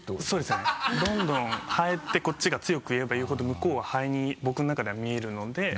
そうですねどんどん「ハエ」ってこっちが強く言えば言うほど向こうは「ハエ」に僕の中では見えるので。